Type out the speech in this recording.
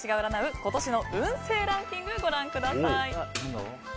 今年の運勢ランキングをご覧ください。